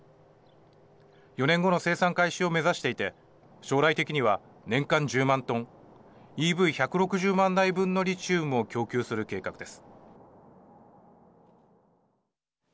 ４年後の生産開始を目指していて将来的には年間１０万トンＥＶ１６０万台分のリチウムを供給する計画です。